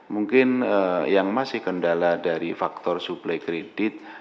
mungkin yang masih kendala dari faktor suplai kredit